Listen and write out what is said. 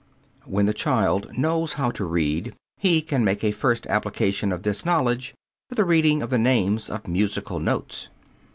When the child knows how to read, he can make a first application of this knowledge to the reading of the names of musical notes.